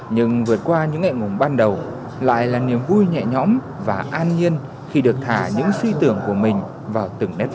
nhưng vượt qua những ngại ngùng ban đầu lại là niềm vui nhẹ nhõm và an nhiên khi được thả những suy tưởng của mình vào từng nét vẽ